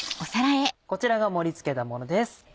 こちらが盛り付けたものです。